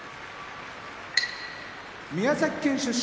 宮崎県出身